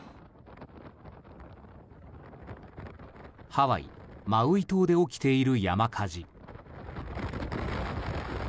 ハワイ・マウイ島で起きている山火事。